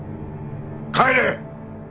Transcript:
帰れ！